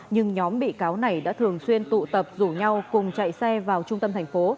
nhưng nhóm bị cáo này đã thường xuyên tụ tập rủ nhau cùng chạy xe vào trung tâm